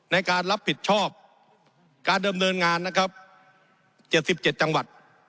ในการรับผิดชอบการเดิมเนินงานนะครับ๗๗จังหวัด